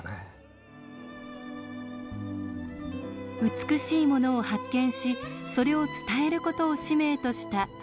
美しいものを発見しそれを伝えることを使命とした新井満さん。